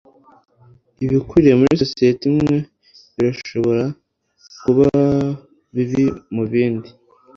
Ibikwiye muri societe imwe birashobora kuba bibi mubindi